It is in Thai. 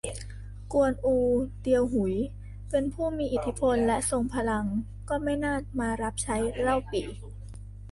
กวนอู เตียวหุย เป็นผู้มีอิทธิพล และทรงพลัง ก็ไม่น่ามารับใช้เล่าปี่